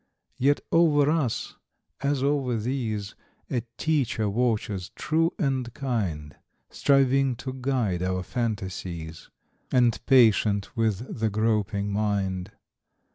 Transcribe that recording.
Yet over us, as over these, A teacher watches, true and kind, Striving to guide our fantasies, And patient with the groping mind.